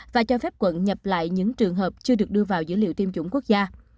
và cho phép quận nhập lại những trường hợp chưa được đưa vào dữ liệu tiêm chủng quốc gia